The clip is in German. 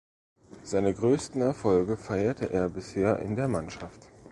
Seine größten Erfolge feierte er bisher in der Mannschaft.